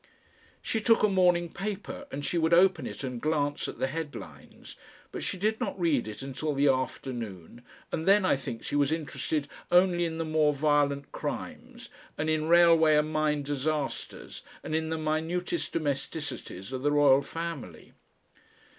She took a morning paper, and she would open it and glance at the headlines, but she did not read it until the afternoon and then, I think, she was interested only in the more violent crimes, and in railway and mine disasters and in the minutest domesticities of the Royal Family.